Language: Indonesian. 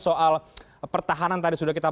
soal pertahanan tadi sudah kita